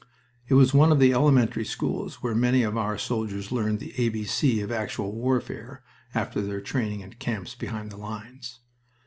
It was one of the elementary schools where many of our soldiers learned the A B C of actual warfare after their training in camps behind the lines.